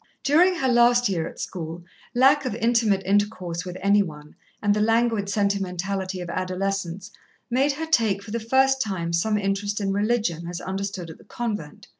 During her last year at school, lack of intimate intercourse with any one, and the languid sentimentality of adolescence, made her take for the first time some interest in religion as understood at the convent.